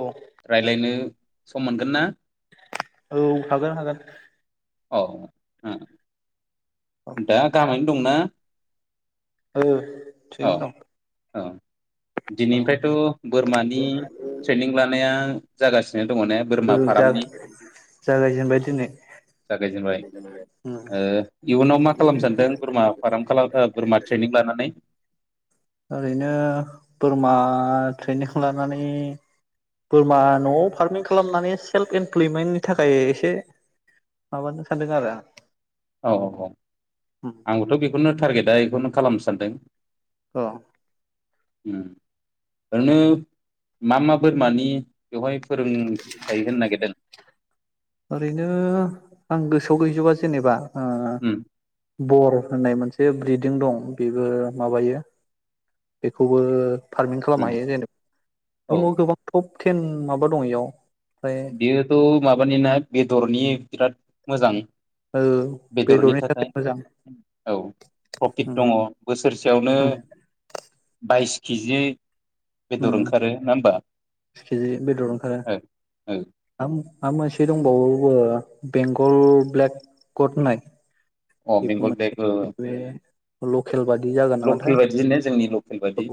औ रायलायनो सम मोनगोन ना? औ हागोन हागोन औ ओ औ दा गाहामैनो दंना? औ औ थिगैनो दं। औ औ दिनैनिफ्रायथ' बोरमानि ट्रेनिं लानाया जागासिनो। दङ ने बोरमा ओं जाग फार्मनि जागाय जेनबाय दोनै। जागायजेनबाय ओ इयुनाव मा खालामनो सानदों बोरमा फार्म खालाम आ बोरमा ट्रेनिं लानानै? ओरैनो बोरमा ट्रेनिं खालामनानै बोरमा न'आव फार्मिं। खालामनानै सेल्फ इमप्लयमेन्टनि थाखाय एसे माबानो सानदों आरो। औ औ औ आं आंबोथ' बेखौनो टारगेटआ बेखौनो खालामनो सानदों। औ। उम ओरैनो मा मा बोरमानि बेवहाय फोरोंथाय होनो नागिरदों? ओरैनो आं गोसोआव गैजोबा जेनेबा ओ उम बर होननाय मोनसे ब्रिदिं दं बेबो माबायो बेखौबो फारमिं उम खालामनो हायो जेनेबा औ दङ गोबां टप टेन माबा दङ इयाव। बेयोथ' माबानि ना बेदरनि बिराद मोजां। ओ बेदरनि थाखाय औ प्रफिट उम दङ बोस सेरसेयावनो उम बाइस किजि बेदर ओंखारो नङा होमबा? बिस केजि बेदर ओंखारो औ औ हाम। मा मोनसे दंबावो बेंगल ब्लेक गड होननाय। अ बेखौ बेंगल मोनसे ब्लेकबो। बे लकेल बादि जागोन लकेल नामाथाय बायदिजोंनो जोंनि लकेल बायदि। औ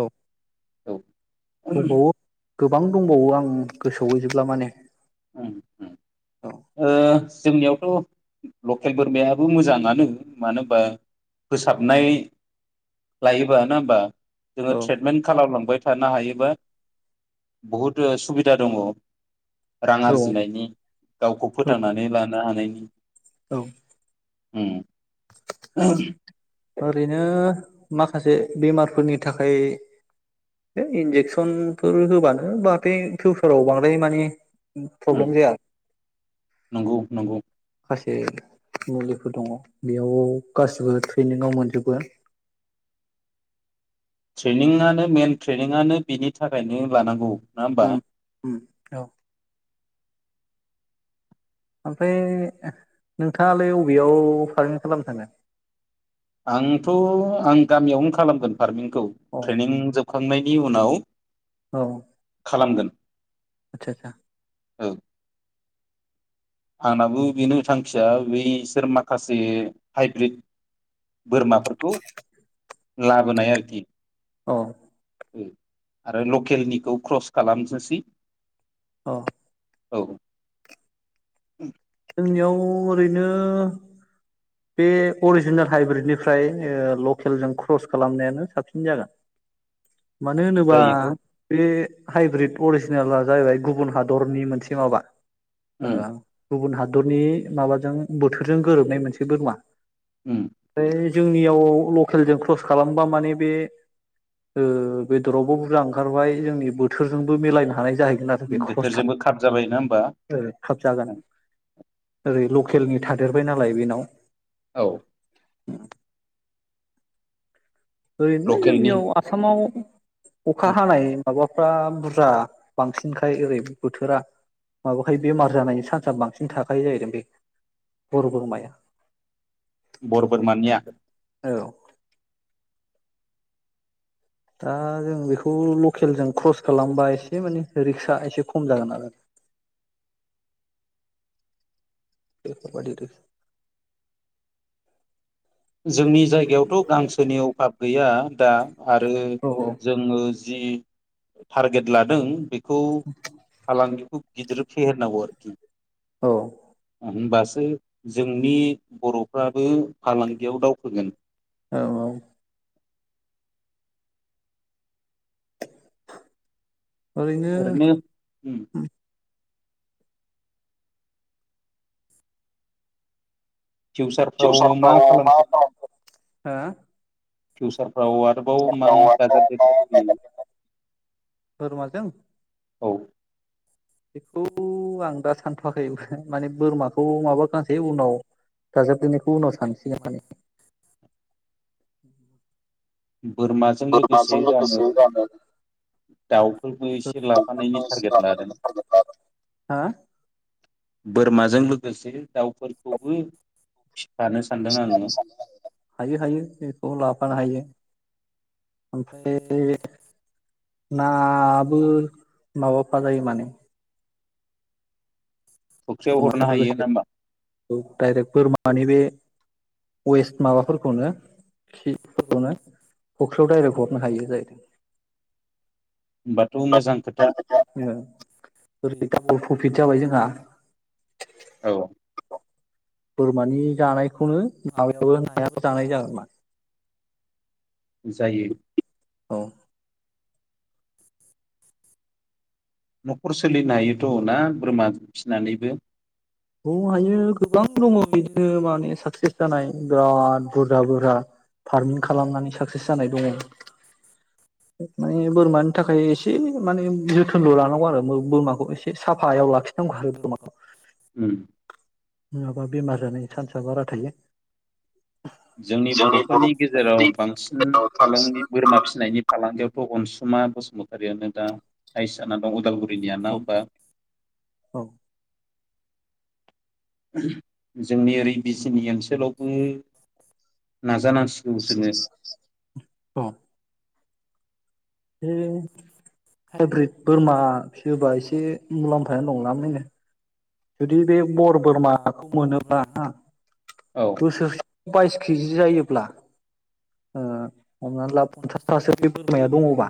औ औ दंबावो गोबां दंबावो आं गोसोआव गैजोबब्ला माने। उम उम औ ओ जोंनियावथ' लकेल बोरमायाबो मोजाङानो मानो होनबा फोसाबनाय। लायोबा नङा होमबा जोङो औ ट्रिटमेन्ट खालामलांबाय थानो हायोबा बहुद सुबिदा दङ। रां औ आरजिनायनि गावखौ औ फोथांनानै लानो हानायनि। औ उम। ओरैनो माखासे बेमारफोरनि थाखाय बे इन्जेकसनफोर होबानो बाहाथे बे फिउसाराव बांद्राय माने उम प्रब्लेम जाया नंगौ नंगौ। माखासे मुलिफोर दङ बेयाव गासिबो बेनियाव मोनजोबो। ट्रेनिंआनो मेन ट्रेनिंआनो बिनि थाखायनो लानांगौ। नङा होमबा उम उम औ। ओमफ्राय नोंथाङालै अबेयाव फारमिं खालामनो थाङो। आंथ' आं गामियावनो खालामगोन फारमिंखौ औ ट्रेनिं जोबखांनाय नि उनाव औ खालामगोन। आतसा आतसा। औ आंनाबो बेनो थांखिया बैसोर माखासे हाइब्रिद बोरमाफोरखौ लाबोनाय आरोखि। औ। आरो लकेलनिखौ ख्रस खालामसोसै। अ औ उम इयाव ओरैनो बे अरजिनाल हाइब्रिदनिफ्राय लकेलजों ख्रस खालामनायानो साबसिन जागोन। [inaudible] मानो होनोबा जायोथ' बे हाइब्रिद अरिजिनाला जाहैबाय गुबुन हादरनि मोनसे माबा उम ओ गुबुन हाद दरनि माबाजों बोथोरजों गोरोबनाय मोनसे बोरमा उम [unintelligible] जोंनियाव लकेलजों ख्रस खालामबा माने बे ओ बेद'रावबो बुरजा ओंखारबाय जोंनि बोथोरजोंबो मिलायनो हानाय जाहै गोन आरो बे ख्रस्था बोथोरजोंबो खाब जाबाय नङा होमबा ओ खाब जागोन। ओरै लकेलनि थादेरबाय नालाय बेनाव। औ ओरैनो लकेलनि जोंनियाव आसामाव अखा हानाय माबाफ्रा बुरजा बांसिनखाय ओरै बोथोरा माबाखायो बेमार जानायनि चान्स बांसिन थाखायो जाहैदों बे हर बोरमाया बर बोरमानिया? औ दा जों बेखौ लकेलजों ख्रस खालामबा एसे माने रिक्सा एसे खम जागोन आरो। [inaudible] बेफोर बादिनो [inaudible] जोंनि जायगायावथ' गांसोनि अभाब गैया दा आरो औ जोङो जि थारगेट लादों बेखौ फालांगिखौ गिदिर फेहेरनांगौ आरोखि। औ होनबासो जोंनि बर'फ्राबो फालांगियाव दावखोगोन। औ औ। ओरैनो उम। फिउसारफ्राव मा जौसारफ्राव [unintelligible] हा? फिउचार फ्राव आरोबाव मा दाजाबदेरनो लुबैयो? बोरमाजों औ बेखौ आं दा सानथ'वाखै माने बोरमाखौ माबागांसे उनाव दाजाबदेरनायखौ उनाव सानसिगोन माने। बोरमाजों लोगोसे जानो दाउफोरबो एसे लाफानायनि टारगेट लादों। हा बोरमाजों लोगोसे दाउफोरखौबो फिफानो सानदों आङो [unintelligible] हायो हायो बेखौबो लाफानो हायो। ओमफ्राय नाबो माबाफा जायो माने। फुख्रियाव हरनो बोरमाजों हायो ना लोगोसे होमबा औ डाइरेक्ट बोरमानि बे वेस्ट माबाफोरखौनो खिफोरखौनो फख्रियाव डाइरेक्ट हरनो हायो जाहैदों। [inaudible] होमबाथ' मोजां खोथा [unintelligible] प्रफिट जाबाय जोंहा। औ बोरमानि जानायखौनो [unintelligible] नायाबो जानाय [unintelligible] जायो औ न'खर सोलिनो हायोथ' ना बोरमा फिनानैबो आं हायो गोबां दङ बिदिनो माने साक्सेस जानाय बिराद बुरजा बुरजा फार्मिं खालामनानै साक्सेस जानाय दङ [inaudible] माने बोरमानि थाखाय एसे माने जोथोनल' लानांगौ आरो बोरमाखौ एसे साफायाव लाखि [unintelligible] उम नङाबा बेमार जानायनि चान्सा बारा थायो जोंनि बर'फोरनि गेजेराव बांसिन बांसिन फालांगि बोरमा फिसिनायनि फालांगियाव अनसुमा बसुमतारियानो दा हाइसाना दं अदालगुरि [unintelligible] औ औ जोंनि ओरै बिजनि ओनसोलावबो नाजा [unintelligible] जोङो हम हाइब्रिद बोरमा फिसियोबा एसे मुलाम्फायानो [unintelligible] जुदि बे बर बोरमाखौ मोनोब्ला औ बोसोर- बाइस केजि जायोब्ला ओ- हमनानै ला पन्सासथासो बे बोरमाया दङबा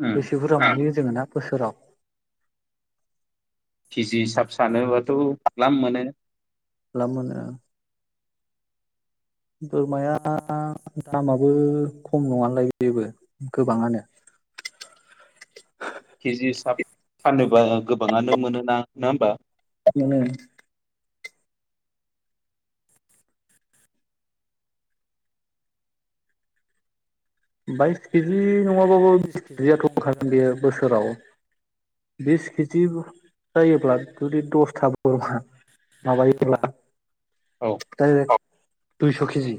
उम बेसे बुज्रा मोनहैयो जोङोना बोसोराव जि हिसाब सानोबाथ' लाम मोनो मोनो बोरमाया दामाबो खम नङालाय बेबो गोबाङानो [inaudible] केजि हिसाब फानोबा गोबाङानो मोनोना नङा होमबा मोनो बाइस केजि नङाबाबो बिस केजियाथ' ओंखारागोन बेयो बोसोराव [inaudible] बिस केजि जायोब्ला जुदि दसथा बोरमा माबायोब्ला औ [inaudible] दायरेक दुइस' केजि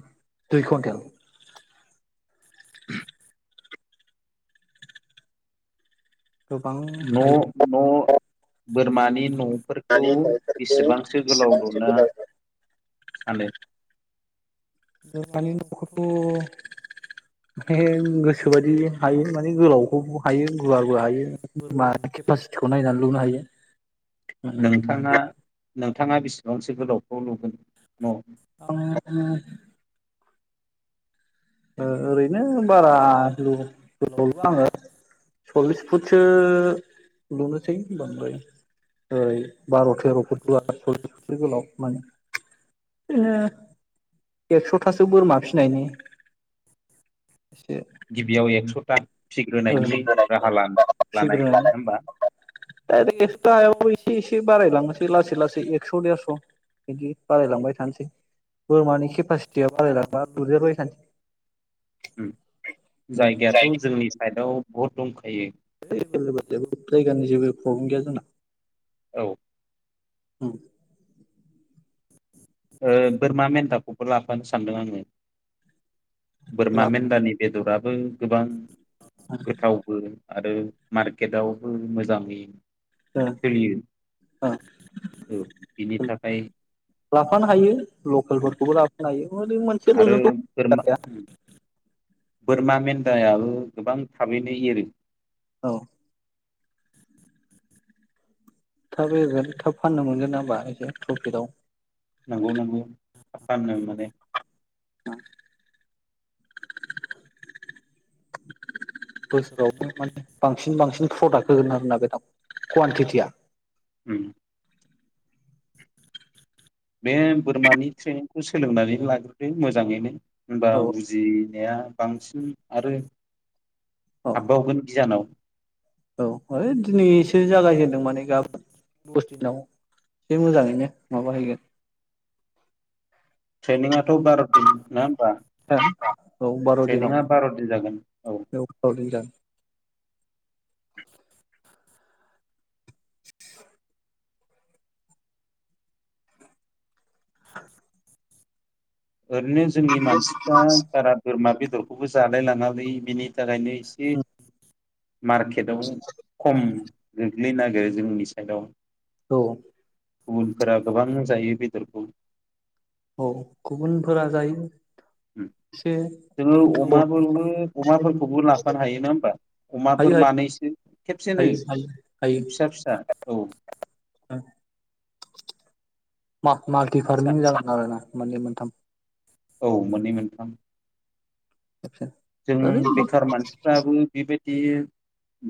दुइ कुइन्टेल गोबां न' हायो न' बोरमानि न' दानि फोरखौ- न'फोरखौ बेसेबांसो गोलाव बेसेबांसो लुनो गोलाव सानो फोरमानथि न' खौथ' [unintelligible] गोसोबायदि हायो माने गोलावखौबो हायो गुवारबो हायो केपासिटिखौ नायनानै लुनो हायो नोंथाङा नोंथाङा बेसेबांसो गोलावखौ लुगोन न' आं- ओ- ओरैनो बारा गोलाव' गोलावलुवा आङो सल्लिस फुटसो लुनोसै बांद्राय ओै- बार' थेर' फ फो गोलाव माने बिनो एकस'थासो बोरमा फिसिनायनि एसे गिबियाव एक्स'था ओ [unintelligible] नङा होमबा एसे एसे बारायलांनोसै लासै लासै एकस' देरस' बिदि बारायलांबाय थानोसै बोरमानि केपासिटिया बारायलांबा लुदेरबाय थानोसै जायगायाथ' जोंनि साइदआव बहुत दंखायो जायगानि जेबो प्रब्लम गैया जोंना औ- उ- ओ- बोरमा मेन्दाखौबो लाफानो सानदों आङो बोरमा मेन्दानि बेदराबो गोबां गोथावबो। आरो मारकेटआवबो मोजाङै सोलियो ओ- बिनि थाखाय लाफानो हायो लकेलफोरखौबो लाफानो हायो मै आरो मोनसेल'जोंथ' बोरमा जाखाया उम [unintelligible] बोरमा मेन्दायाबो गोबां थाबैनो एरो औ-। थाब एरगोन थाब फाननो मोनगोन नङा बा एसे प्रफिटआव नंगौ नंगौ थाब फाननो मोनो। [inaudible] [unintelligible] बोसोरावबो माने बांसिन बांसिन प्रडाक्ट होगोन आरो ना बेदाव कवानटिटिया उम बे बोरमानि ट्रेनिंखौ सोलोंनानै लाग्रोदो मोजाङैनो होनबा औ बुजि नाया बांसिन आरो औ हाबबावगोन गियानाव औ है दिनैसो जागायजेनदों माने गाबोन [unintelligible] दिनाव एसे मोजाङैनो माबाहैगोन ट्रेनिंयाथ बार दिन ना बा औ बार' दिनाव ट्रेनिंया बारदिन जागोन औ। बार' दिन जागोन [inaudible] [unintelligible] [inaudible] ओरैनो जोंनि मानसिफ्रा बारा बोरमा बेदरखौबो जालायलाङालै बिनि थाखायनो एसे मार्केटआव खम ग्लैनो नागिरो जोंनि साइडआव औ। गुबुनफोरा गोबां जायो बेदरखौ औ उम गुबुनफोरा जायो। उम से जोङो अमाफोरबो अमाफोरखौबो लांफानो हायो नङा होमबा हायो अमाफोर मानैसो खेबसेनो हायो हायो फिसा फिसा औ। ओ मा मालटि फिसा फार्मिं जागोन आरो ना मोननै मोनथाम औ मोननै मोनथाम। खेबसे जों ओरैनो बेखार मानसिफ्राबो बेबा दि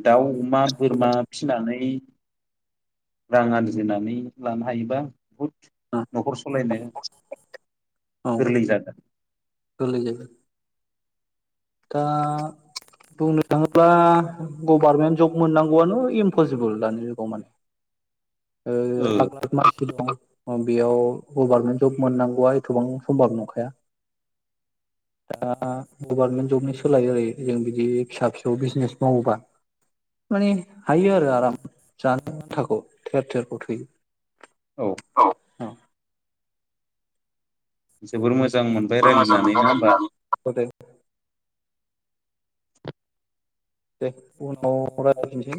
दाउ अमा बोरमा फिनानै रां आरजिनानै लानो हायोबा बुहुद नखर सलायनो औ गोरलै जागोन। गोरलै जागोन। दा बुंनो थाङोब्ला गभारमेन्ट जब मोननांगौआनो इमपसिबोल दानि जुगाव माने ओ [unintelligible] [inaudible] बेयाव गभार्मेन्ट जब मोननांगौआ एथबां समभाब नंखाया। [inaudible] [unintelligible] दा गभार्मेन्ट जबनि सोलायो आरो जों बिदि फिसा फिसौ बिजनेस मावोबा। माने हायो आरो आराम जानो आनथाखौ थेर थेरखौ थोयो। औ। जोबोर मोजां मोनबाय मोजां रायलायनानै मोनबाय नङा होमबा। रायलायनानै औ दे दे उनाव रायलायफिनसै